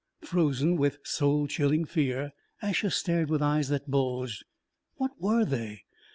Frozen with soul chilling fear, Asher stared with eyes that bulged. What were they?